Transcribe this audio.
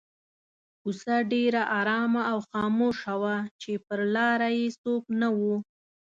کوڅه ډېره آرامه او خاموشه وه چې پر لاره یې څوک نه وو.